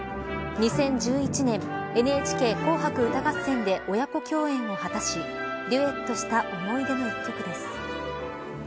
２０１１年ＮＨＫ紅白歌合戦で親子共演を果たしデュエットした思い出の一曲です。